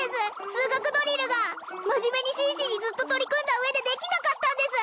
数学ドリルが真面目に真摯にずっと取り組んだ上でできなかったんです